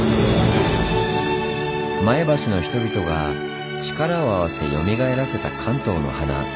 前橋の人々が力を合わせよみがえらせた「関東の華」。